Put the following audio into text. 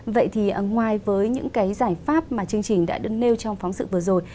vậy thì ngoài với những cái giải pháp mà chương trình đã được nêu trong phóng sự vừa rồi